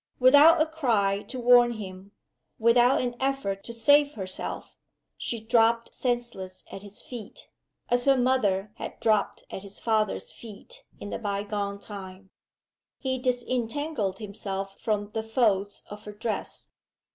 Without a cry to warn him, without an effort to save herself, she dropped senseless at his feet; as her mother had dropped at his father's feet in the by gone time. He disentangled himself from the folds of her dress.